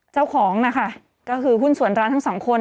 เจ้าของนะคะก็คือหุ้นส่วนร้านทั้งสองคน